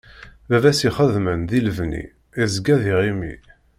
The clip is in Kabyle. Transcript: Baba-s ixeddmen di lebni yeẓga d iɣimi.